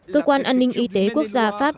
cơ quan an ninh y tế quốc gia pháp